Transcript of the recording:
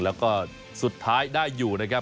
แล้วก็สุดท้ายได้อยู่นะครับ